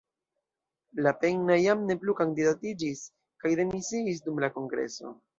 Lapenna jam ne plu kandidatiĝis kaj demisiis dum la kongreso.